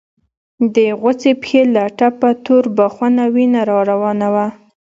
د غوڅې پښې له ټپه تور بخونه وينه روانه وه.